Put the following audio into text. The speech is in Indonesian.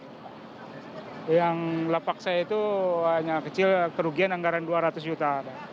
yang lapak saya itu hanya kecil kerugian anggaran dua ratus juta